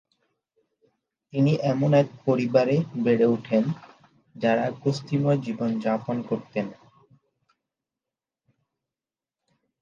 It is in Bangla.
তিনি এমন এক পরিবারে বেড়ে ওঠেন, যাঁরা কুস্তিময় জীবনযাপন করতেন।